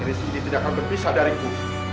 keris ini tidak akan berpisah dariku